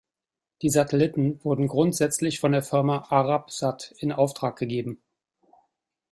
Die Satelliten wurden grundsätzlich von der Firma Arabsat in Auftrag gegeben.